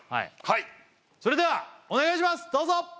はいそれではお願いしますどうぞ！